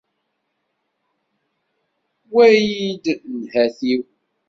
Wali-d nnhati-w!